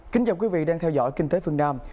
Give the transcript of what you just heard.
kính chào quý vị đang theo dõi kinh tế phương nam